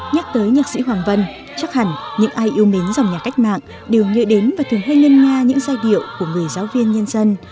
nhắc tới nhạc sĩ hoàng vân chắc hẳn những ai yêu mến dòng nhạc cách mạng đều nhớ đến và thường hơi ngân nga những giai điệu của người giáo viên nhân dân